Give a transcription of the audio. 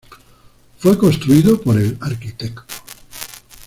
Fue construido por el Arq.